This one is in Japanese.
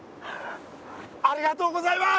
ありがとうございます！